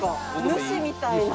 主みたいな。